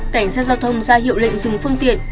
cảnh sát giao thông ra hiệu lệnh dừng phương tiện